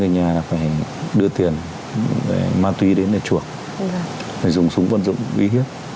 nhà phải đưa tiền để ma tuy đến để chuộc phải dùng súng vận dụng ghi hiếp